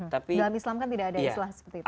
dalam islam kan tidak ada istilah seperti itu